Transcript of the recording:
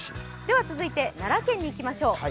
続いて奈良県にいきましょう。